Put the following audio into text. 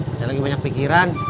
saya lagi banyak pikiran